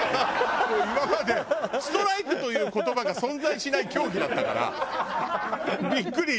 もう今までストライクという言葉が存在しない競技だったからビックリ